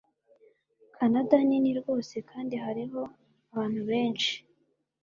Kanada nini rwose kandi hariho abantu benshi.